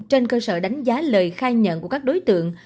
trên cơ sở đánh giá lời khai nhận của các đối tượng